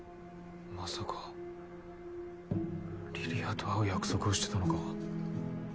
まさか梨里杏と会う約束をしてたのか？